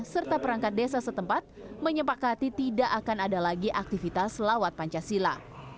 serta perangkat desa setempat menyepakati tidak akan ada lagi aktivitas lawat pancasila